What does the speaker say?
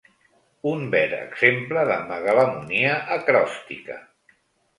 Un ver exemple de megalomania acròstica.